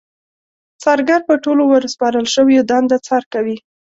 څارګر په ټولو ورسپارل شويو دنده څار کوي.